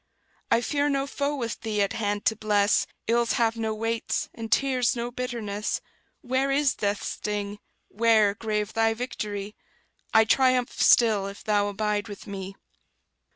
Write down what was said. I fear no foe with Thee at hand to bless; Ills have no weights, and tears no bitterness; Where is death's sting? where, grave thy victory? I triumph still, if Thou abide with me.